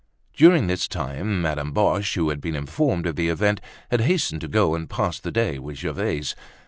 During this time Madame Boche, who had been informed of the event, had hastened to go and pass the day with Gervaise.